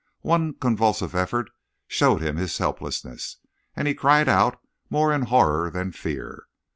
One convulsive effort showed him his helplessness, and he cried out more in horror than fear.